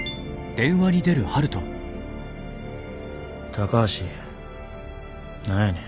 高橋何やねん。